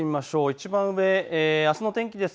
いちばん上、あすの天気です。